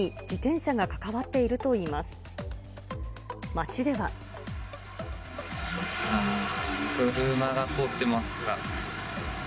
車が通っていますが。